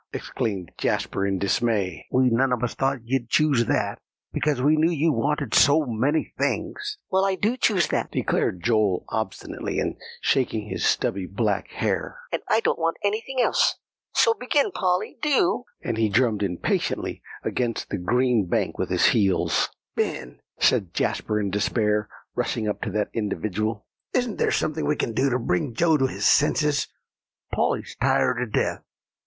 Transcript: exclaimed Jasper in dismay, "we none of us thought you'd choose that, because we knew you wanted so many things." "Well, I do choose that," declared Joel obstinately, and shaking his stubby black hair; "and I don't want anything else. So begin, Polly, do;" and he drummed impatiently against the green bank with his heels. "Ben," said Jasper in despair, rushing up to that individual, "isn't there anything we can do to bring Joe to his senses? Polly's tired to death.